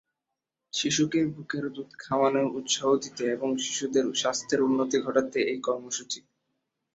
শিশুকে বুকের দুধ খাওয়ানোয় উৎসাহ দিতে এবং শিশুদের স্বাস্থ্যের উন্নতি ঘটাতে এই কর্মসূচি।